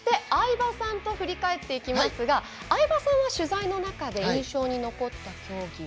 そして相葉さんと振り返っていきますが相葉さんは取材の中で印象に残った競技は？